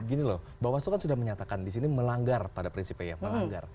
gini loh bawaslu kan sudah menyatakan disini melanggar pada prinsipnya yang melanggar